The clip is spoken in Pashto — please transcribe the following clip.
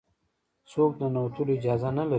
څوک د ننوتلو اجازه نه لري.